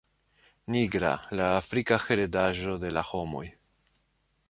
Nigra, la afrika heredaĵo de la homoj.